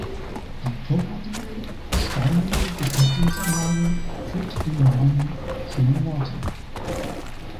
Die turmartige steinerne Befestigungsanlage führt den Namen Kemenate.